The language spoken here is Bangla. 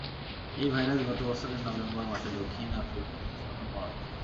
এই ভাইরাস গত বছরের নভেম্বর মাসে দক্ষিণ আফ্রিকায় প্রথম পাওয়া যায়।